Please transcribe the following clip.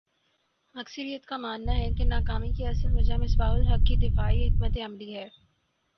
اکثریت کا ماننا ہے کہ ناکامی کی اصل وجہ مصباح الحق کی دفاعی حکمت عملی ہے